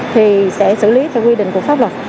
thì sẽ xử lý theo quy định của pháp luật